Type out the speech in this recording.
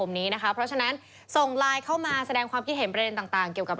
ไม่หวนอื่นกับทางงานเดียว